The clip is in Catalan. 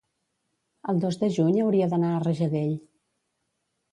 el dos de juny hauria d'anar a Rajadell.